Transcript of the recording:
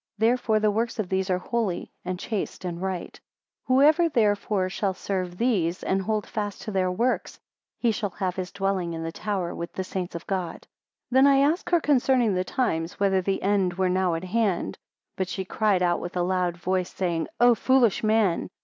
Therefore the works of these are holy, and chaste, and right. 91 Whoever therefore shall serve these, and hold fast to their works, he shall have his dwelling in the tower with the saints of God. 92 Then I asked her concerning the times, whether the end were now at hand? 93 But she cried out with a loud voice, saying, O foolish man!